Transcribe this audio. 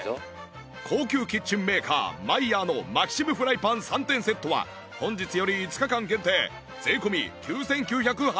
高級キッチンメーカーマイヤーのマキシムフライパン３点セットは本日より５日間限定税込９９８０円